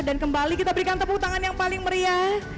dan kembali kita berikan tepuk tangan yang paling meriah